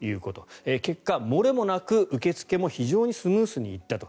結果、漏れもなく、受け付けも非常にスムーズにいった。